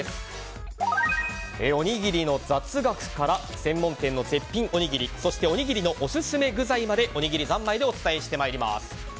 おにぎりの雑学から専門店の絶品おにぎりそしておにぎりのオススメ具材までおにぎり三昧でお伝えしてまいります。